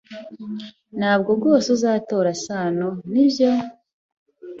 Ntabwo rwose uzatora Sano, nibyo?